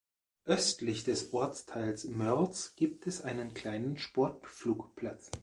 Östlich des Ortsteils Mörz gibt es einen kleinen Sportflugplatz.